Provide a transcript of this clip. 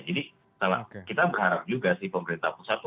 jadi kita berharap juga sih pemerintah pusat itu